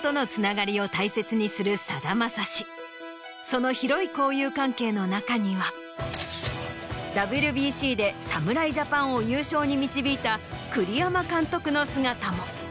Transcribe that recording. その広い交友関係の中にはＷＢＣで侍ジャパンを優勝に導いた栗山監督の姿も。